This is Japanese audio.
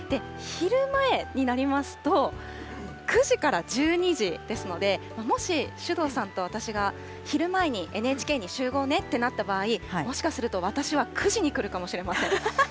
そうなんですよ、昼前になりますと９時から１２時ですので、もし首藤さんと私が、昼前にＮＨＫに集合ねってなった場合、もしかすると、私は９時に来るかもしれません。